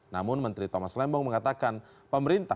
namun menteri thomas lembong mengatakan pemerintah